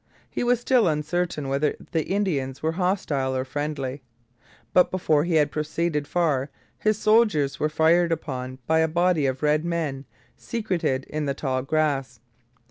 He was still uncertain whether the Indians were hostile or friendly. But before he had proceeded far his soldiers were fired upon by a body of red men secreted in the tall grass.